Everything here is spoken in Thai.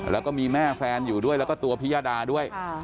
แล้วก็มีแม่แฟนอยู่ด้วยแล้วก็ตัวพิยดาด้วย